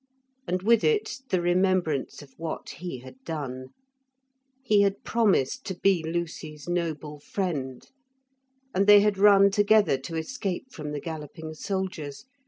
And with it the remembrance of what he had done. He had promised to be Lucy's noble friend, and they had run together to escape from the galloping soldiers.